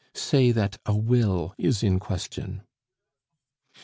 Say that a will is in question."